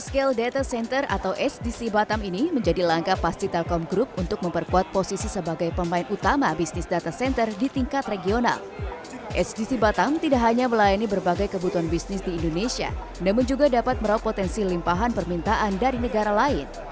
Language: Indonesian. kepala pertama pertama